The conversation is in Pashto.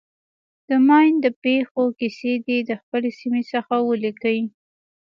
د ماین د پېښو کیسې دې د خپلې سیمې څخه ولیکي.